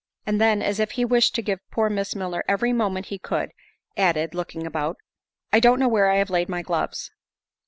And then, as if he wished to give poor Miss Milner every moment he could, added, (looking about) "I don't know where I have laid my gloves."